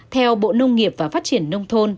theo bộ nông nghiệp và phát triển